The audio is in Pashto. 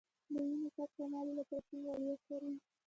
د وینې غوړ کمولو لپاره کوم غوړي وکاروم؟